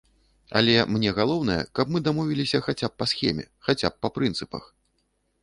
Але мне галоўнае, каб мы дамовіліся хаця б па схеме, хаця б па прынцыпах.